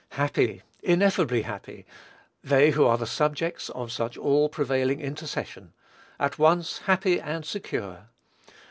Happy, ineffably happy, they who are the subjects of such all prevailing intercession! At once happy and secure.